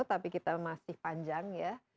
tapi kita masih panjang ya